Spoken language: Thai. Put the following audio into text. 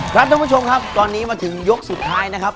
ท่านผู้ชมครับตอนนี้มาถึงยกสุดท้ายนะครับ